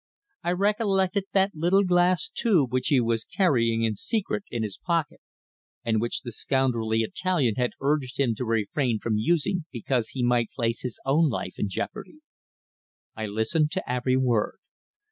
I recollected that little glass tube which he was carrying in secret in his pocket, and which the scoundrelly Italian had urged him to refrain from using because he might place his own life in jeopardy. I listened to every word.